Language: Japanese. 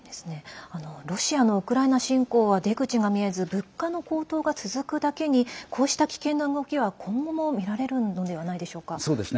ロシアのウクライナ侵攻は出口が見えず物価の高騰が続くだけにこうした危険な動きは今後も見られるのではないでしょうか。